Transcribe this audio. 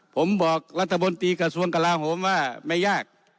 ผมบอกรัฐบนตรีกระทรวงกลาโหมว่าไม่ยาก